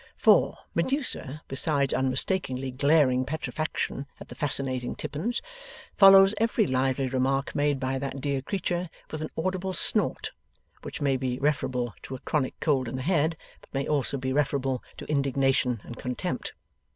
For, Medusa, besides unmistakingly glaring petrifaction at the fascinating Tippins, follows every lively remark made by that dear creature, with an audible snort: which may be referable to a chronic cold in the head, but may also be referable to indignation and contempt.